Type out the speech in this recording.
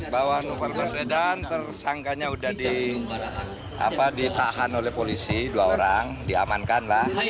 bahwa novel baswedan tersangkanya sudah ditahan oleh polisi dua orang diamankan lah